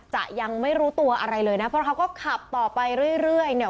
ยังไม่รู้ตัวอะไรเลยนะเพราะเขาก็ขับต่อไปเรื่อยเนี่ย